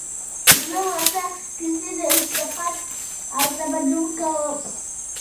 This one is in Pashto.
زهٔ ورته کیسې د ارتقا او تمدن کوم